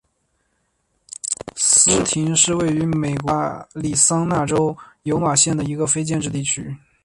斯廷是位于美国亚利桑那州尤马县的一个非建制地区。